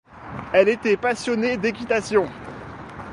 Elle était passionnée d'équitation.